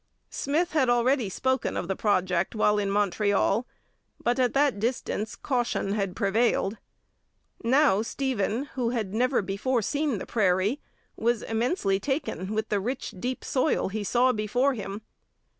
Smith had already spoken of the project while in Montreal, but at that distance caution had prevailed. Now Stephen, who had never before seen the prairie, was immensely taken with the rich, deep soil he saw before him.